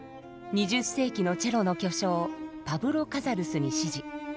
２０世紀のチェロの巨匠パブロ・カザルスに師事。